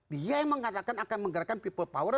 dia yang mengatakan akan menggerakkan people power